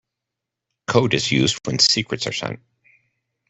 Code is used when secrets are sent.